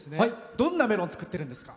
どんなメロンを作ってるんですか？